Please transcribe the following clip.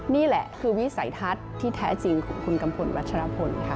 นี่แหละคือวิสัยทัศน์ที่แท้จริงของคุณกัมพลวัชรพลค่ะ